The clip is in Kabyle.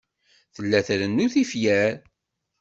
Tella trennu tifyar.